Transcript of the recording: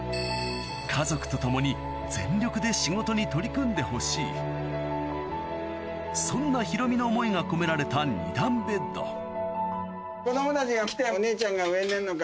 家族と共に全力で仕事に取り組んでほしいそんなヒロミの思いが込められた２段ベッド子供たちが来てお姉ちゃんが上に寝るのか